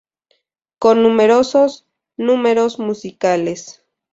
Con numerosos números musicales.